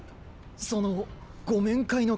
そのご面会の方が。